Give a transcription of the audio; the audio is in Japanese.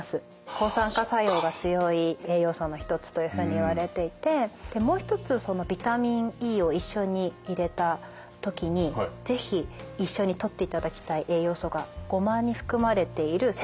抗酸化作用が強い栄養素の一つというふうにいわれていてでもう一つそのビタミンＥを一緒に入れた時に是非一緒にとっていただきたい栄養素がゴマに含まれているセサミンなんですね。